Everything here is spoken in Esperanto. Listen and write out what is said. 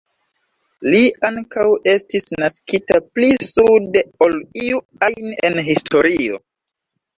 Li ankaŭ estis naskita pli sude ol iu ajn en historio.